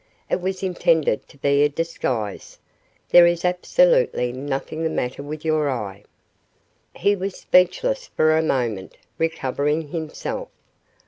"It was intended to be a disguise. There is absolutely nothing the matter with your eye." He was speechless for a moment, recovering himself.